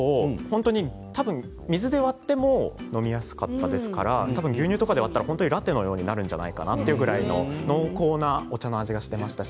水で割っても飲みやすかったですから牛乳で割ったらラテのようになるんじゃないかなっていう濃厚なお茶の味がしていましたし。